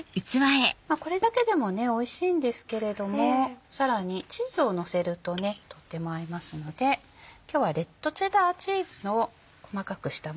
これだけでもおいしいんですけれどもさらにチーズをのせるととっても合いますので今日はレッドチェダーチーズの細かくしたもの